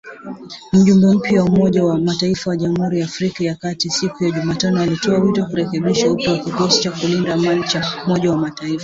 Mjumbe mpya wa Umoja wa mataifa kwa Jamhuri ya Afrika ya kati siku ya Jumatano alitoa wito kurekebishwa upya kwa kikosi cha kulinda amani cha Umoja wa Mataifa.